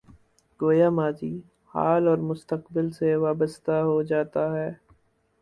گویا ماضی، حال اور مستقبل سے وابستہ ہو جاتا ہے۔